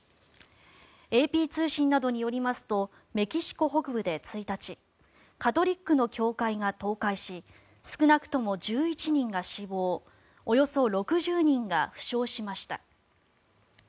ＡＰ通信などによりますとメキシコ北部で１日カトリックの教会が倒壊し少なくとも１１人が死亡およそ６０人が負傷しました。